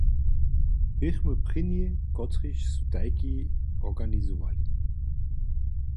Běchmy prěni, kotřiž su tajki organizowali.